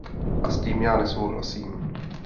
A s tím já nesouhlasím.